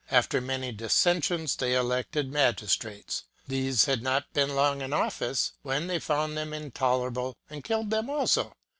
After many dissensions, they elected magistrates. These had not been long in office, when they found them intolerable, and killed them also.